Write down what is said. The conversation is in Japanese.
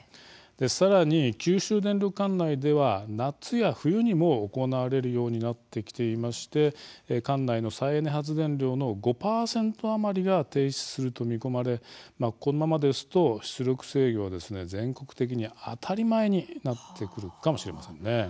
さらに九州電力管内では夏や冬にも行われるようになってきていまして管内の再エネ発電量の５％余りが停止すると見込まれこのままですと出力制御は全国的に当たり前になってくるかもしれませんね。